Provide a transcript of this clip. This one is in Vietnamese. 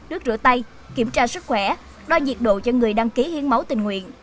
nước rửa tay kiểm tra sức khỏe đo nhiệt độ cho người đăng ký hiến máu tình nguyện